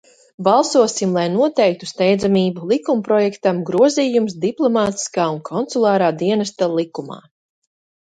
"Balsosim, lai noteiktu steidzamību likumprojektam "Grozījums Diplomātiskā un konsulārā dienesta likumā"!"